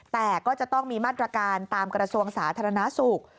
แต่ก็จะต้องมีมาตรการตามกระทรวงสาธารณสุข